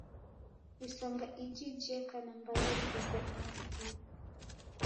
Isanga iji jeka na mbari mrongo inya na iw'i.